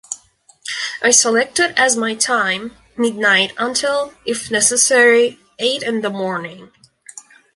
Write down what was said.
I selected as my time, midnight until, if necessary, eight in the morning.